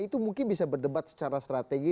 itu mungkin bisa berdebat secara strategi